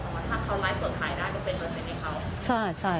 อ๋อถ้าเขาไลฟ์สดขายได้ก็เป็นเปอร์เซ็นต์ให้เขา